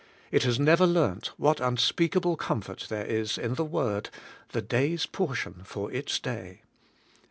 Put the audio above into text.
It has never learnt what unspeakable comfort there is in the word: The day's portion for its day.